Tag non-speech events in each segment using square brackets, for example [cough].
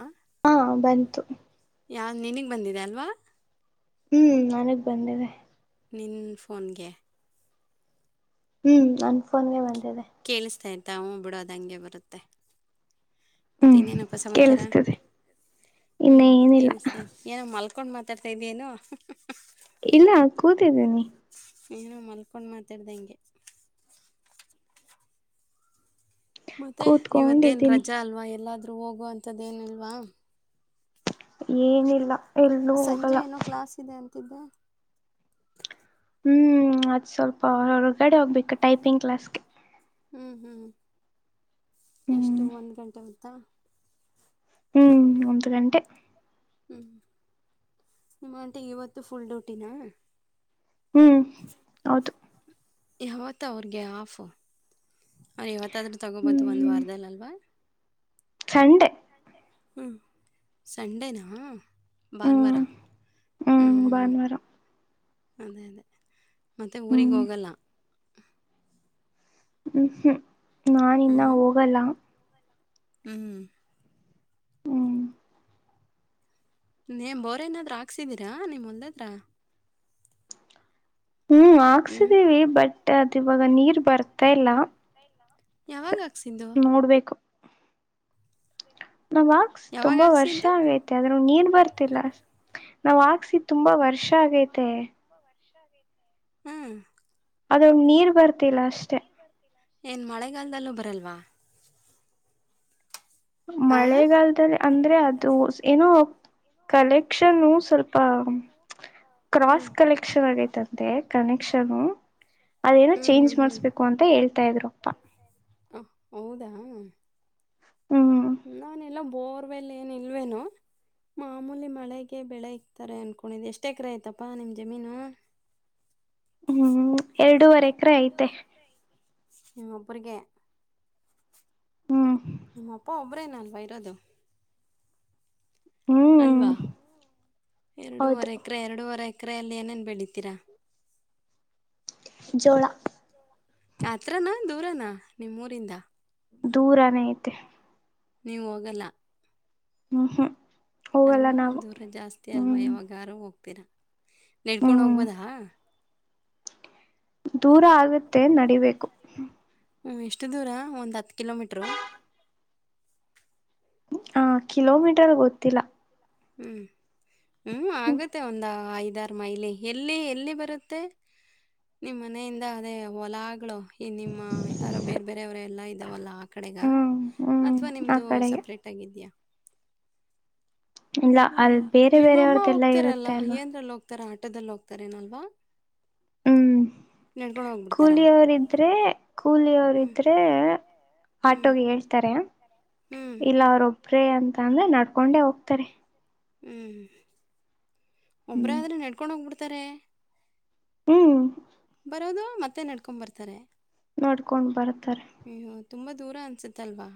ಹಾಂ ಹಾ ಬಂತು ಯಾವ ನಿನಗೆ ಬಂದಿದೆ ಅಲ್ವಾ ಹ್ಮ್ ನನಗ್ ಬಂದಿದೆ ನೀನ್ನಫೋನ್ಗೆ ಹ್ಮ್ ಅನ್ಫೋನ್ ಮಾಡಿ ಕೇಳಿಸ್ತಾ ಇ್ತ ಹ್ಞ ಬಿಡೋದ ಹಂಗೆ ಬರುತ್ತೆ ಮತ್ತೆ ಹ್ಮ್ ಇನ್ನೇನುಪಸಾಚಾರ ಕೇಳಿಸ್ತಿದೆ ಇನ್ನ ಹ್ಮ್ ಏನಿಲ್ಲ ನಿಸ್ತ ಏನ ಮಾಲ್ಕ ಕಕೊಂಡ್ ಮಾತಾಡ್ತಾ ಇದ ನು ಇಲ್ಲ ಕೂತಿದ್ದೀನಿ ಏನ ಮಲ್ಕೊಂಡು ಮಾತಾಡ್ದ ಹಂಗೆ ಮತ್ತೆ ಇವತ್ತೇನ್ ಕೂತ್ಕೊಂಡಿದ್ದೀನಿ ರಜಾ ಅಲ್ವಾ ಎಲ್ಲಾದ್ರೂ ಹೋಗುವ ಅಂಥದೇನಲ್ವಾ ಏನಿಲ್ಲ ಎಲ್ಲೂ ಹೋಗಲ್ಲ ತ್ತಬೇ ಹ್ಮ್ ಅದು್ ಸ್ವಲ್ಪ ಹೊರ್ಗಡೆ ಹೋಗ್ಬೇಕು ಟೈಪಿಂಗ್ ಕ್ಲಾಸ್ಗೆ ಹ್ಞೂ ಹ್ಞೂ ಎಷ್ಟು ಹ್ಮ್ ಒಂದು ಗಂಟೆ ಬುತ್ತಾ ಹ್ಮ್ ಒಂತರಟೆ ಹ್ಞೂ ನಿಮ್ಮ ಅಂಟೆ ಇವತ್ತು ಫುಲ್ ಡ್ಯೂಟಿನಾ ಹ್ಮ್ ಹೌದು ಯಾವತ್ತ ಅವ್ರಿಗೆ ಆಫು ಅವ್ರ ಯಾವತ್ತಾದ್ರೂ ತಗೋಬಹದು ಒಂದು ವಾರದದಲ್ಲಿ ಅಲ್ವಾ ಖಂಡೆ ಹಞ ಸಂಡೇನಾ ಭಾನುವಾರ ಹ್ಮ್ ಹ್ಮ್ ಬವರ ಅದೇ ಅದೇ ಮತ್ತೆ ಹ್ಮ್ ಊರಿಗೆ ಹೋಗಲ್ಲ ಹ್ಮ್ ಹ್ಮ್ ನಾನ ಇನ್ನ ಹ್ಮ್. ಹೋಗಲ್ಲ ಹ್ಮ್ ಹ್ಮ್ ನೀ್ ಬೋರ್ ಏನಾದ್ ಹಾಕ್ಸಿದೀರಾ ನಿಮ್ಮಲ್ದದ್ರ ಹ್ಮ್ ಹ್ಮ್. ಹಾಕ್ಸಿದೀವಿ ಬಟ್ ಅದು ಇವಾಗ ನೀರ್ ಬರ್ತಾ ಇಲ್ಲ. ಯಾವಾಗಕ್ಸಂದು ನೋಡ್ಬೇಕು ನಾವ್ ಹಾಕ್ಸ ಯಾವಾಗ ತುಂಬಾ ವರ್ಷ ಹಾಕ್ಸಿದ್ದು? ಆಗೈತಿ ಆದದ್ರೂ ನೀರ್ ಬರ್ತಿಲ್ಲ ನಾವ್ ಹಾಕ್ಸಿ ತುಂಬಾ ವರ್ಷ ಷ್ಟ ಆಗೈತೆ ಹ್ಮ್ ಅದೊಂದು ನೀರ್ ಬರ್ತಿಲ್ಲ ಅಷ್ಟೇ ಏನು ಮಳೆಗಾಲದಲ್ಲೂ ಬರಲ್ವಾ. ಆ ಮಳೆಗಾಲದಲ್ಲಿ ಅಂದ್ರೆ ಅದು ಏನೋ ಕಲೆ ಕ್ಷನ್ ಸ್ವಲ್ಪ ಹ್ಮ್. ಕ್ರಾಸ್ ಕಲೆಕ್ಷನ್ ಆಗೈತ. ಮತ್ತೆ ಕನೆಕ್ಷನ ಅದೇನ ಹ್ಮ್, ಚೇಂಜ್ ಹ್ಮ್, ಹ್ಮ್. ಮಾಡಸ್ಬೇಕು ಅಂತ ಹೇಳ್ತಾ ಇದ್ರು ಅಪ್ಪ. ಇದ್ರು. ಓಹ್! ಹೌದಾ. ಹ್ಮ್ ನಾನ ಎಲ್ಲ ಬೋರ್ವೆಲ್ ಏನ್ ಇಲ್ವೇನು. ಮಾಮೂಲಿ ಮಳೆಗೆ ಬೆಳೆ ಇಕ್ತಾರೆ ಅನ್ಕೊಂಡಿದ್ದ್ ಎಷ್ಟ ಎಕರೆ ಆಯ್ತಪ್ಪಾ ನಿಮ್ ಜಮೀನು. [inaudible] ಹ್ಮ್ ಎರಡೂವರೆ ಎಕರೆ ಐತೆ ನಿಮ್ಮೊಬ್ಬರಿಗೆ ಹ್ಮ್ ನಿಮ್ಮಪ್ಪ ಒಬ್ರೇ ನನ್ ಬೈರೋದು ಹ್ಮ್ ಅಲ್ವಾ ಹೌದು ಎರಡವರೆ ಎಕರೆ ಎರಡೂವರೆಕ ಸಕ್ರೆಯಲ್ಲಿ ಏನೇನ್ ಬೆಳಿತೀರಾ. ಜೋರ ಯತ್ರನಾ ದೂರನಾ ನಿಮ್ಮೂರಿಂದ. ದೂರಾನೇ ಐತೆ. ನೀವು ಹೋಗಲ್ಲ. ಹ್ಮ ಹಾ. ಅಲ್ವಾ ದೂರ ಜಾಸ್ತಿ ಅಲ್ವಾ ಯಾವಾಗಾರು ಹೋಗ್ತ ಹ್ಮ್ ನೆಡ್ಕೊಂಡೊಗ್ಬೊದ. ದೂರ ಆಗತ್ತೆ ನಡಿಬೇಕು. ಹ್ಮ್ ಎಷ್ಟು ದೂರ ಒಂದ್ ಹತ್ತು ಕಿಲೋಮೀಟರು. ಹ ಕಿಲೋಮೀಟರ್ ಗೊತ್ತಿಲ್ಲ. ಹ್ಮ್ ಹ್ಮ್ ಆಗತ್ತೆ ಒಂದ ಐದು ಇದರ್ ಮೈಲಿ ಎಲ್ಲಿ ಎಲ್ಲಿ ಬರುತ್ತೆ ನಿಮ್ಮ್ ಮನೆಯಿಂದ ಅದೇ ಹೊಲಾಗ್ಳು. ಈ ನಿಮ್ಮ ಯಾರೋ ಬೇರೆ ಬೇರೆಯವರೆ ಎಲ್ಲ ಇದ್ದಾವಲ್ಲ ಆ ಕಡೆಗ. ಹ್ಮ್ ಹ್ಮ್ ಅಥವಾ ಆ ನಿಮ್ದು ಕಡೆಗೆ ಸಪ್ರೇಟ್ಗಿದ್ಯಾ. ಇಲ್ಲ ಅಲ್ ಹ್ಮ್ ಬೇರೆ ಬೇರೆವ್ರ್ದೆಲ್ಲ ಇರುತ್ತೆ ಅಲ್ವಾ. ತರ ಆಟದಲ್ಲಿ ಹೋಗ್ತಾರೇನಲ್ವಾ. ಹ್ಮ್ ನಡ್ಕೊಂಡು ಹೋಗ್ಬಿಡ್ತಾರಾ ಕೂಲಿಯವರಿದ್ರೆ ಹ್ಮ್ ಕೂಲಿಯವರಿದ್ರೆ ಹ್ಮ್ ಆಟೋಗೆ ಹೇಳ್ತಾರೆ ಹ್ಮ್ ಇಲ್ಲ ಅವರೂಬ್ ಬ್ರೆ ಅಂತ ಅಂದ್ರೆ ನಡ್ಕೊಂಡೆ ಹೋಗ್ತಾರೆ. ಹ್ಮ ಒಬ್ಬರೇ ಹ್ಮ್ ಆದ್ರೆ ನಡ್ಕೊಂಡೋಗ್ಬಿಡ್ತಾರೆ. ಹ್ಮ್ ಬರೋದು ಮತ್ತೆ ನಡ್ಕೊ ಬರ್ತಾರೆ. ನೋಡ್ಕೊಂಡ್ ಬರ್ತಾರೆ. ಹ್ ಹ್ ತುಂಬಾ ದೂರ ಅನ್ಸತ್ ಅಲ್ವಾ.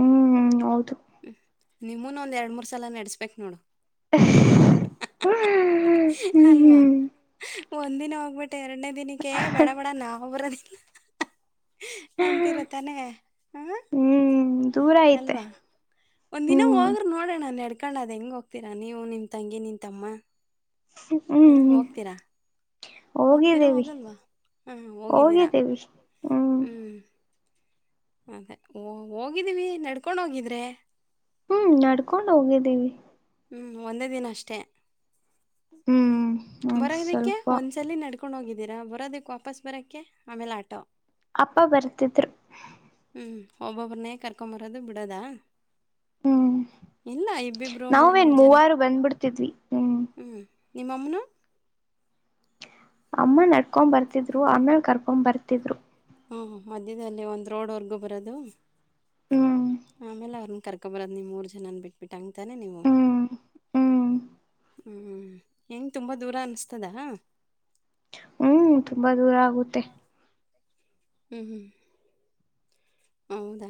ಹ್ಮ್್ಮ ಹೌದು. ಹ್ಮ ನಿಮ್ಮೂನು ಒಂದ್ ಎರಡ್ ಮೂರ್ ಸಲ ನಡೆಸ್ಬೇಕೇಕ್ ನೋಡು. ಹ್ಮ ಅಲ್ವಾ ಒಂದಿನ ಹೋಗ್ಬಿಟ್ಟೆ ಎರಡನೇ ದಿನಕ್ಕೆ ಬೇಡ ಬೇಡ ನಾವ್ಬರ ಹ್ಮ್ ಅಂತರ ತಾನೆ ಹ. ಹ್ಮ್ ದೂರ ಐತೆ ಅಲ್ವಾ ಒಂದ ದಿನ ಹ್ಮ್ ಹೋಗ್ರೆ ನೋಡೋಣ ನೆಡ್ ಕೂಡ್ ಹೆಂಗ್ ಹೋಗ್ತೀರಾ ನೀವು ನಿಮ ತಂಗಿ ನಿನ್ ತಮ್ಮ. ಹ ಹ್ಮ್್ಮ ಹೋಗ್ತೀರಾ ಹೋಗ್ತೀರಾ ಹೋಗಲ್ವಾ ಹಾ ಹೋಗಿದ್ದಿರಾ ಹೋಗಿದ್ದೀವಿ ಹ್ಮ್. ಅದಓ ಹೋಗಿದೀವಿ ನಡ್ಕೊಂಡ್ ಹೋಗಿದ್ರೆ. ಹ್ಮ್ ನಡ್ಕೊಂಡು ಹೋಗಿದ್ದೀವಿ. ಹ್ಮ ಒಂದೇ ದಿನ ಅಷ್ಟೇ. ಹ್ಮ್ ಹ್ಮ್ ಬರೋದಿಕ್ಕೆ ಸ್ವಲ್ಪ ಒಂದ್ಸಲ ನಡ್ಕೊಂಡ್ ಹೋಗಿದ್ದೀರಾ ಬರೋದಿಕ್ ವಾಪಸ್ ಬರೋಕ ಆಮೇಲೆ ಆಟೋ. ಅಪ್ಪ ಬರ್ತಿದ್ರು. ಒಬ್ಬೊಬ್ಬ್ರನ್ನೇ ಕರ್ಕೊಂಬರೋದು ಬಿಡೋದಾ. ಹ್ಮ್ ಇಲ್ಲ ಇಬ್ಬಿಬ್ರು ನಾವೇನ್ ಜನ. ಮೂವಾರು ಬಂದ್ಬಿಡ್ತಿದ್ವಿ ಹ್ಮ್. ನಿಮ್ಮಮ್ಮನು. ಅಮ್ಮ ನಡ್ಕೊಂಡ್ ಬರ್ತಿದ್ರು ಅಮ್ಮ ಕರ್ಕೊಂಡ್ ಬರ್ತಿದ್ರು. ಹ್ಂೂ ಮಧ್ಯದಲ್ಲಿ ಒಂದು ರೋಡ್ವರೆಗೂ ಬರೋದು. ಹ್ಮ್ ಆಮೇಲೆ ಅವ್ರನ್ನ ಕರ್ಕೊಬರೋದು ನೀವು ಮೂರು ಜನನ ಬಿಟ್ಬಿಟ್ಟು ಹಂಗ್ತಾನೆ ನೀವು. ಹ್ಮ್ ಹ್ಮ್ ಹ್ಮ್ ಹೆಂಗ ತುಂಬಾ ದೂರ ಅನಿಸ್ತದಾ. ಹ್ಮ್ ತುಂಬಾ ದೂರ ಆಗುತ್ತೆ. ಹ್ಮ್ ಹ್ಮ್ ಹೌದಾ.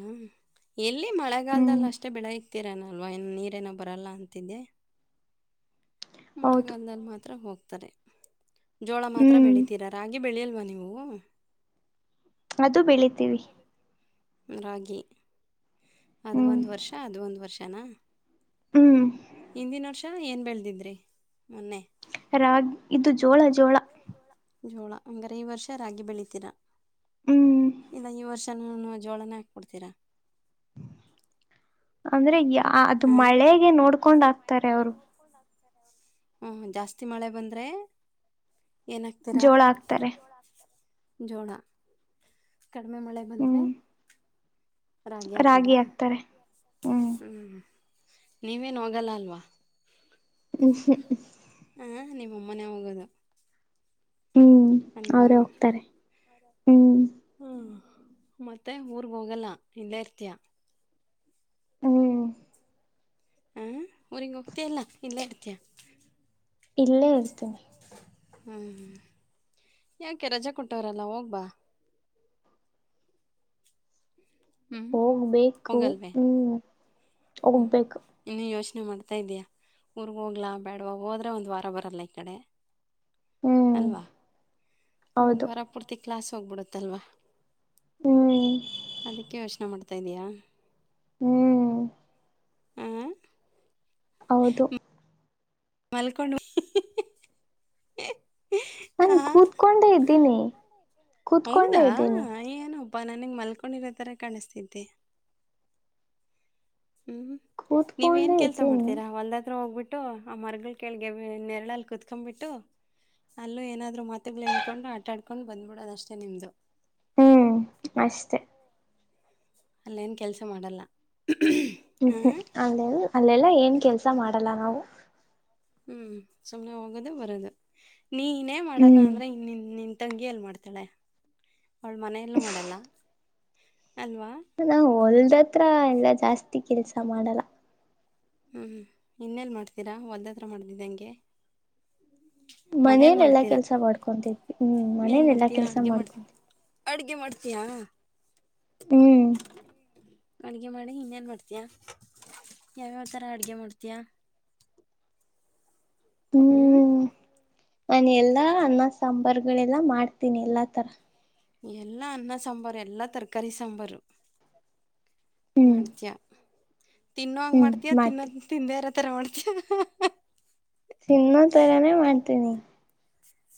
ಎಲ್ಲಿ ಹ್ಮ್ ಮಳೆಗಾಲದದಲ್ಲಿ ಅಷ್ಟೇ ಬೆಳೆ ಇಕ್ತೀರನಲ್ವ ಇ ನೀರೇನೋ ಬರಲ್ಲ ಅಂತಿದ್ದೆ. ಹೌದು ಮಳೆಗಂದದಲ್ಲಿ ಮಾತ್ರ ಹೋಗ್ತಾರೆ ಜೋಳ ಮಾತ್ರ ಹ್ಮ್ ಬೆಳತಿರ. ರಾಗಿ ಬೆಳೆಯಲ್ವಾ ನೀವು. ಅದು ಬೆಳಿತೀವಿ. ರಾಗಿ ಅದು ಹ್ಮ್ ಒಂದು ವರ್ಷ ಅದು ಒಂದು ವರ್ಷನಾ. ಹ್ಮ್ ಹಿಂದಿನ ವರ್ಷ ಏನ್ ಬೆಳೆದಿದ್ರಿ ಮೊನ್ನೆ. ರಾಗಿ ಇದು ಜೋಳ ಜೋಳ. ಜೋಳ ಹಂಗಾರೆ ಈ ವರ್ಷ ರಾಗಿ ಬೆಳತೀರಾ. ಹ್ಮ್ ಇಲ್ಲ ಈ ವರ್ಷನನು ಜೋಳನೇ ಹಾಕ್ಬೊಡ್ತೀರ. ಅಂದ್ರೆ ಯ ಅದು ಮಳೆಗೆ ನೋಡ್ಕೊಂಡ್ ಆಕ್ತಾರೆ ಅವರು. ಹ್ಮ ಜಾಸ್ತಿ ಮಳೆ ಬಂದ್ರೆ ಜೋಳ ಆಗ್ತಾರೆ. ಜೋಳ ಕಡಿಮೆ ಮಳೆ ಬಂದ್ರೆ. ಹ್ಮ್ ರಾಗಿ ಹಾಕದಾ ಹ್ಮ್. ನೀವೇನು ಹೋಗಲ್ಲ ಅಲ್ವಾ. ಹ್ಮ್ ಹ್ಮ್್ಮ ಹಾ ನಿಮ್ಮಮ್ಮನ ಹೋಗೋದು. ಹ್ಮ್ ಅಲ್ವಾ ಅವ್ರೇ ಹೋಗ್ತಾರೆ. ಹ್ಮ್ ಹ್ಞೂ ಮತ್ತೆ ಊರ್ಗ್ ಹೋಗಲ್ಲ ಹಿಂದೆ ಇರ್ತಿಯ. ಹ್ಮ್ ಹ ಅವಊರಿಂಗೋಗ್ತ ಇಲ್ಲ ಇಲ್ಲೇ ಇರ್ತಯ. ಇಲ್ಲೇ ಇರ್ತೀನಿ ಹ್ಮ್ ಹ್ಮ್ ಯಾಕೆ ರಜಾ ಕೊಟ್ಟವ್ರಲ್ಲ ಹೋಗ್ಬಾ. ಹ್ಮ್ ಹೋಗ್ಬೇಕು ಹೋಗಲ್ವೇ ಹ್ಮ್ ಹೋಗ್ಬೇಕು. ನೀ ಮಾಡ್ತಾ ಇದೆಯಾ ಊರ್ರಿಗೆ ಹೋಗ್ಲ ಬ್ಯಾಡವಾ ಹೋದರೆ ಒಂದು ವಾರ ಬರಲ್ಲ ಈ ಕಡೆ. ಹ್ಮ್ ಅಲ್ವಾ. ಒಂದು್ ಹೌದು ವಾರ ಪೂರ್ತಿ ಕ್ಲಾಸ್ ಹೋಗ್ಬಿಡುತ್ತಲ್ವಾ ಹ್ಮ್ ಅದಕ್ಕೆ ಯೋಚನೆ ಮಾಡತ ತದ್ಯ. ಹ್ಮ್ ಹ ಹೌದು. ಮಲ್ಕೊಂಡು. ನಾನು ಆ ಕೂತ್ಕೊಂಡೆ ಇದ್ದೀನಿ ಕೂತ್ಕೊಂಡೆ ಇದ್ದೀನಿ. ಅಪ್ಪ ನನಗೆ ಮಲ್ಕೊಂಡಿರೋ ಥರ ಕಾಣಿಸ್ತಿದ್ದೆ. ಹ್ಮ್ ನೀವ್ ಏನ್ ಕೂತ್ಕೊಂಡೆ ಕೆಲ್ಸ ಇದ್ದೀನಿ ಮಾಡ್ತೀರಾ ಒಂದತ್ರ ಹೋಗ್ಬಿಟ್ಟ. ಬಿಟ್ಟು ಆ ಮರಗಳು ಕೆಳಗೆ ನೆರಳಲ್ಲಿ ಕುೂತ್ಕೊಂಡ್ಬಿಟ್ಟು ಅಲ್ಲೂ ಏನಾದ್ರು ಮಾತುಗಳು ಹೇಳ್ಕೊಂಡು ಆಟಾಡ್ಕೊಂಡು ಬಂದ್ಬಿಡೋದ ಅಷ್ಟೇ ನಿಮ್ದು. ಹ್ಮ್ ಅಷ್ಟೆ. ಅಲ್ಲೇನ್ ಕೆಲ್ಸ ಮಾಡಲ್ಲ. ಹ್ಮ್ ಆ ಹ್ಮ್ ಅಲ್ಲೆ ಅಲ್ಲೆಲ್ಲ ಏನ್ ಕೆಲ್ಸ ಮಾಡಲ್ಲ ನಾವು. ಹ್ಮ್ ಸುಮ್ನೆ ಹೋಗೋದು ಬರದು ನೀನೇ ಮಾಡಲ್ಲ ಹ್ಮ್ ಅಂದ್ರೆ ಇನ್ನನ್ ನಿನ್ ತಂಗಿಯಲ್ಲಿ ಮಾಡ್ತಾಳೆ ಅವಳು ಮನೆಯಲ್ಲ ಮಾಡಲ್ಲ. ಅಲ್ವಾ ನಾ ಹೊಲ್ದತ್ರ ಎಲ್ಲ ಜಾಸ್ತಿ ಕೆಲ್ಸ ಮಾಡಲ್ಲ. ಹ್ಮ ಇನ್ನೇಲ್ಲಿ ಮಾಡ್ತೀರಾ ಒಲ್ದತ್ರ ಮಾಡಿದ್ದಿದ್ದಂಗೆ. ಮನೇಲೆ ಎಲ್ಲಾ ಕೆಲ್ಸ ಮಾಡ್ಕೊತಿದ್ವಿ ಹ್ಮ್ ಏನ್ ಮನೇಲೆಲ್ಲಾ ಕೆಲ್ಸ ಮಾಡ್ಕೊತಿದ್ವಿ. ಯಾ. ಹ್ಮ್ ಅಡುಗೆ ಮಾಡಿ ಇನ್ನೇನ್ ಮಾಡ್ತೀಯ ಯಾವ್ಯಾವಥರ ಅಡುಗೆ ಮಾಡ್ತೀಯ. ಹ್ಮ್ ನಾನು ಎಲ್ಲಾ ಅನ್ನ ಸಾಂಬಾರ್ಗಳೆಲ್ಲಾ ಮಾಡ್ತೀನಿ ಎಲ್ಲಾ ತರ. ಎಲ್ಲಾ ಅನ್ನ ಸಾಂಬಾರು ಎಲ್ಲಾ ತರಕಾರಿ ಸಾಂಬಾರು. ಹ್ಮ್ ಮಾಡ್ತಯ ತಿನ್ನ ಹಂಗ ಹ್ಮ್ ಮಾಡ್ತಯ ತಿನ್ನ ಮಾಡ್ತೀನಿ ತಿಂದೇ ಇರತ್ತ ತರ ಮಡತ್ರ್ಯ. ತಿನ್ನ ತರಾನೇ ಮಾಡ್ತೀನಿ.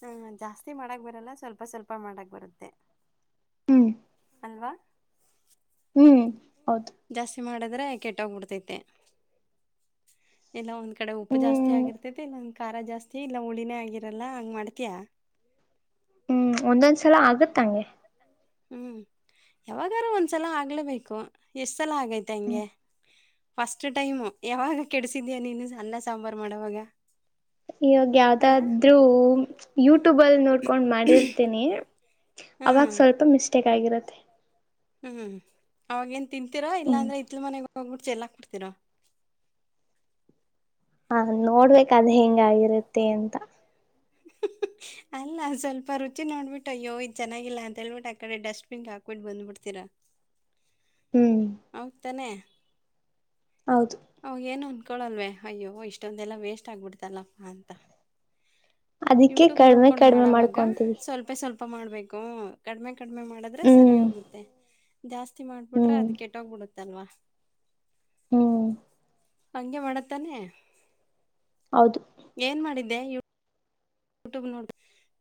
ಹ್ಮ ಜಾಸ್ತಿ ಮಾಡಕ್ ಬರಲ್ಲ ಸ್ವಲ್ಪ ಸ್ವಲ್ಪ ಮಾಡಕ್ ಬರುತ್ತೆ. ಹ್ಮ್ ಅಲ್ವಾ ಹ್ಮ್ ಹೌದ್ ಮಾಡುದ್ರೆ ಕೆಟ್ಟ್ಬಡ್ತೈತೆ ಇಲ್ಲ ಒಂದ್ ಈ ಕಡೆ ಉಪ್ಪು ಜಾಸ್ತಿ ಹ್ಮ್ ಆಗಿರ್ತೇತಿ ಇಲ್ಲಂದ ಖಾರ ಜಾಸ್ತಿ ಇಲ್ಲ ಹುಳಿನೇ ಆಗಿರಲ್ಲ ಹಂಗ್ ಮಾಡ್ತಯಾ. ಹ್ಮ್ ಒಂದೊಂದ್ಸಲ ಆಗತ್ತಂಗೆ. ಹ್ಞೂ ಯಾವಾಗಾದ್ರೂ ಒಂದ್ಸಲ ಆಗ್ಲೇಬೇಕು ಎಷ್ಟು ಸಲ ಆಗೈತೆ ಹ್ಮ್ ಹಂಗೆ. ಫಸ್ಟ್ ಟೈಮ್ ಯಾವಾಗ ಕೆಡಸಿದ್ಯಾ ನೀನು ಅನ್ನ ಸಾಂಬಾರ್ ಮಾಡೋವಾಗ. ಇವಾಗ್ ಯಾವ್ದಾದ್ರೂ ಯೂಟ್ಯೂಬ್ ಅಲ್ ನೋಡ್ಕೊಂಡ್ ಮಾಡಿರ್ತೀನಿ ಅವಾಗ್ ಹ್ಮ್ ಸ್ವಲ್ಪ ಮಿಸ್ಟೇಕ್ ಆಗಿರುತ್ತೆ. ಹ್ಮ್ ಅವಾಗ್ ಏನ್ ತಿಂತೀರಾ ಹ್ಮ್ ಇಲ್ಲಾಂದ್ರೆ ಇತ್ಲು ಮನೆಗ್ ಹೋಗ್ಬಿ ಚೇಲಕ್ ಬುಡ್ತಿರೋ. ಹಾ ನೋಡ್ಬೇಕ್ ಅದ್ ಹೆಂಗಾಗಿರುತ್ತೆ ಅಂತ. ಹಃ ಹ ಅಲ್ಲ ಸ್ವಲ್ಪರುಚಿ ನೋಡ್ಬಿಟ್ಟು ಅಯ್ಯೋ ಇದ್ ಚನ್ನಾಗಿಲ್ಲ ಅಂತ ಹೇಳ್ಬಿಟ್ಟು ಆ ಕಡೆ ಡಸ್ಟ್ ಬಿನ್ಗ ಹಾಕ್ಬಿಟ್ಟ ಬಂದ್ಬುಡ್ತೀರಾ. [inaudible] ಹ್ಮ್ ಹೌದ್ ತಾನೆ. ಹೌದು ಅವೇಗ್ ಏನು ಅಂದಕೊಳಲ್ವವೆ ಅಯ್ಯೋ ಇಷ್ಟೊಂದೆಲ್ಲ ವೇಸ್ಟ್ ಆಗ್ಬಿಡ್ತಲ್ಲಪ್ಪಾ ಅಂತ. ಅದಕ್ಕೆ ಯೂಟ್ಯೂಬ್ ಕಡಿಮೆ ನೋಡ್ಕೊಂಡ್ ಕಡಿಮೆ ಮಾಡವಾಗ ಮಾಡ್ಕೊಂತೀವಿ ಸ್ವಲ್ಪೇ ಸ್ವಲ್ಪ ಮಾಡ್ಬೇಕು ಕಡಿಮೆ ಹು ಕಡ್ಮೆ ಕಡ್ಮೆ ಮಾಡುದ್ರೆ ಸರಿ ಹ್ಮ್ ಹೋಗುತ್ತೆ ಜಾಸ್ತಿ ಮಾಡ್ಬಿಟ್ರೆ ಹ್ಮ್ ಅದ್ ಕೆಟ್ಟೋಗ್ಬಿಡುತ್ತೆ. ತಲ್ವ ಹು ಹಂಗೆ ಮಾಡದ್ತನೆ ಹೌದು ಏನ್ ಮಾಡಿದ್ದೆ ಯು ಯೂಟ್ಯೂಬ್ ನೋಡ್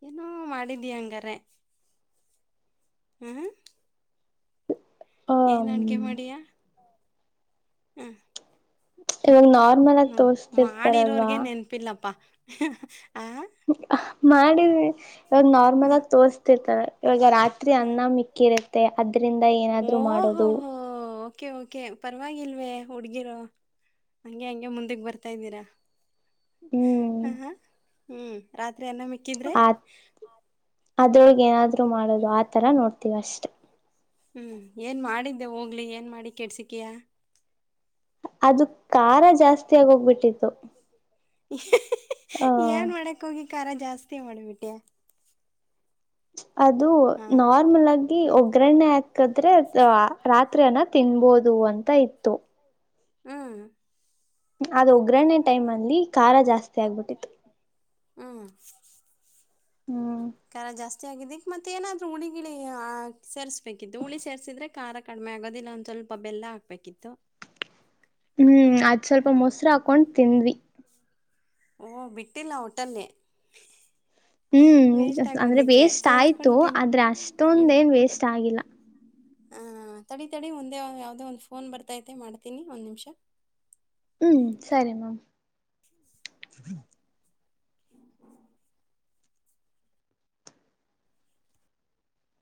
ಏನೋ ಮಾಡಿದ್ಯ ಹಂಗಾರೆ. ಹ್ಮ್ ಹ ಏನ್ ಅಡ್ಗೆ ಮಾಡಿಯಾ ಹ್ಮ. ಇವಾಗ್ ನಾನ್ ನೋಡು ಮಾಡಿರೋರ್ಗೆ ನೆನಪಿಲ್ಲಪ್ಪಾ ಹಃ ಹ. ಹ ಮಾಡಿದ್ವಿ. ಇವಾಗ್ ನಾರ್ಮಲ್ ಆಗಿ ತೋರ್ಸತಿರ್ತರೆ ಇವಾಗ ರಾತ್ರಿ ಹ್ಮ ಅನ್ನ ಮಿಕ್ಕಿ ಇರುತ್ತೆ ಅದ್ ರಿಂದ ಏನಾದ್ರು ಮಾಡೋದು. ಓಹೋಹೋ ಓಕೆ ಓಕೆ ಪರವಾಗಿಲ್ವೆ ಹುಡ್ಗಿರೋ ಹಂಗೆ ಹಂಗೆ ಮುಂದುಕ್ ಬರ್ತಾ ಇದ್ದೀರಾ. ಹ್ಮ್ ಹ ಹ್ಮ ರಾತ್ ಆ ಅದ್ರೊಳಗ್ ಏನಾದ್ರು ಮಾಡದು ಆತರ ನೋಡ್ತೀವಿ ಅಷ್ಟೆ. ಹ್ಮ್ ಏನ್ ಮಾಡಿದ್ಯ ಹೋಗ್ಲಿ ಏನ್ ಮಾಡಿ ಕೆಡ್ಸಿಕಿಯ. ಅದು ಖಾರ ಜಾಸ್ತಿ ಆಗ್ ಹೋಗ್ಬಿಟ್ಟಿತ್ತು. ಹಃ ಹಃ ಹ ಏನ್ ಮಾಡಕ್ ಹೋಗಿ ಖಾರ ಜಾಸ್ತಿ ಮಾಡ್ಬಿಟೆ. ಅದು ನಾರ್ಮಲ್ ಆಗಿ ಒಗ್ಗರಣೆ ಆಕ್ ಅಕದ್ರೆ ರಾತ್ರಿ ಅನ್ನ ತಿನ್ಬೋದು ಅಂತ ಇತ್ತು. ಹ್ಮ್ ಅದ್ ಒಗ್ಗರಣೆ ಟೈಮ್ ಅಲ್ಲಿ ಖಾರ ಜಾಸ್ತಿ ಆಗ್ಬಿಟ್ಟಿತ್ತು. ಹ್ಮ್ ಹ್ಮ್ ಖಾರ ಜಾಸ್ ಜಾಸ್ತಿ ಆಗಿದ್ಕ ಮತ್ತೆ ಏನಾದ್ರರು ಹುಳಿ ಗಿಳಿ ಸೇರಿಸಬೇಕಿದ್ದು ಹುಳಿ ಸೇರ್ರಿಸಿದ್ರೆ ಖಾರ ಕಡಿಮೆ ಆಗೋದಿಲ್ಲ ಅಂತ. ಸ್ವಲ್ಪ ಬೆಲ್ಲ ಹಾಕ್ಬೇಕಿತ್ತು. ಹ್ಮ್ ಅದ್ ಸ್ವಲ್ಪ ಮೊಸ್ರ್ ಹಾಕೊಂಡ್ ತಿಂದ್ವಿ. ಓ ಬಿಟ್ಟಿಲ್ಲ ಒಟಲಿ. ಹ್ಮ್ ಅಂದ್ರೆ ವೇಸ್ಟ್ ಆಯ್ತು ಸೇರ್ಸ್ಕೊಂಡ್ ತಿನ್ ಆದ್ರೆ ಅಷ್ಟೊಂದ್ ಏನ್ ವೇಸ್ಟ್ ಆಗಿಲ್ಲ. ಹಾ ತಡೆ ತಡೆ ಒಂದೇ ಯಾವ್ದೇ ಒಂದ್ ಫೋನ್ ಬರ್ತೈತೆ ಮಾಡ್ತೀನಿ ಒಂದ್ ನಿಮ್ಷ. ಹ್ಮ್ ಸರಿ ಮಾಮ್.